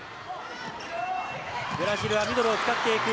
ブラジルはミドルを使っていく。